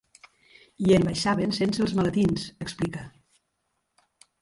I en baixaven sense els maletins, explica.